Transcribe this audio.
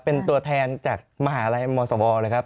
เป็นตัวแทนจากมหาลัยมสวนะครับ